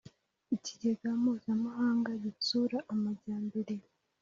Ikigega Mpuzamahanga Gitsura Amajyambere